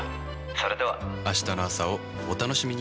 それでは明日の朝をお楽しみに。